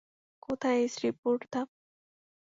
কোথায় এই শ্রীপুরধাম?